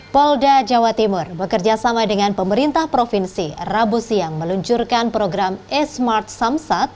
polda jawa timur bekerjasama dengan pemerintah provinsi rabu siang meluncurkan program e smart samsat